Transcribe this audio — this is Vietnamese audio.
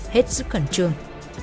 giúp khẩn trương